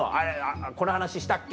「この話したっけ？」